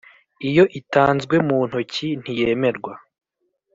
Iyo itanzwe mu ntoki ntiyemerwa